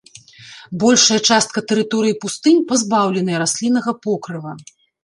Большая частка тэрыторыі пустынь пазбаўленая расліннага покрыва.